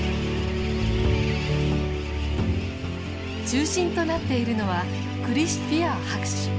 中心となっているのはクリス・フィアー博士。